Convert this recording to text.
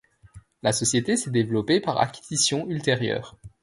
La société s'est développée par acquisitions ultérieures.